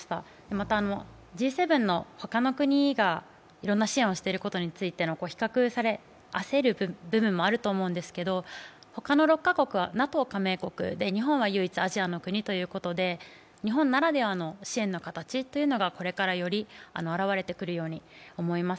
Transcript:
また、Ｇ７の他の国がいろんな支援をしていることについての比較され、焦る部分もあると思うんですけれど他の６か国はＮＡＴＯ加盟国で日本は唯一アジアの国ということで日本ならではの支援の形というのがこれから、より現れてくるように思います。